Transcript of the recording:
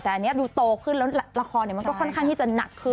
แต่อันนี้ดูโตขึ้นแล้วละครมันก็ค่อนข้างที่จะหนักขึ้น